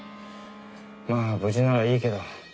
まあ無事ならいいけど。